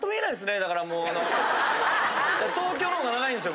東京のが長いんですよ